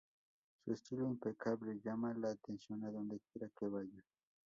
Su estilo impecable llama la atención a donde quiera que vaya.